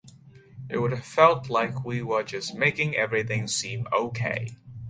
It would have felt like we were just making everything seem okay.